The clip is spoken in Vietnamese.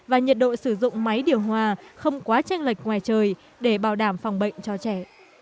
và nhiệt độ sử dụng máy điều hòa không quá tranh lệch ngoài trời để bảo đảm phòng bệnh cho trẻ